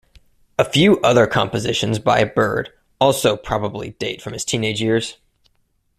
A few other compositions by Byrd also probably date from his teenage years.